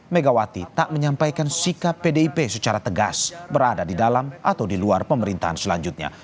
megawati tak menyampaikan sikap pdip secara tegas berada di dalam atau di luar pemerintahan selanjutnya